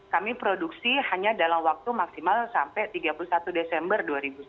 kami produksi hanya dalam waktu maksimal sampai tiga puluh satu desember dua ribu sembilan belas